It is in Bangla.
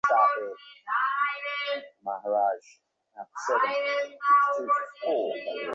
মন্মথবাবুর অনুরোধেও নিজের মানসিক উদ্বেগ দূর করতে তার নিকট যেতে রাজী হলুম।